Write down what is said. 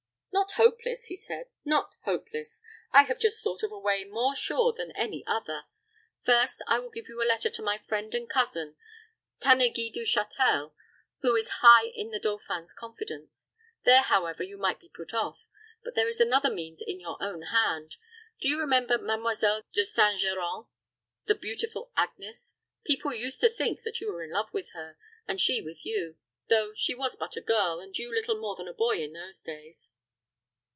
"Not hopeless," he said, "not hopeless. I have just thought of a way more sure than any other. First, I will give you a letter to my friend and cousin Tanneguy du Châtel, who is high in the dauphin's confidence. There, however, you might be put off; but there is another means in your own hand. Do you remember Mademoiselle De St. Geran the beautiful Agnes people used to think that you were in love with her, and she with you, though she was but a girl, and you little more than a boy in those days."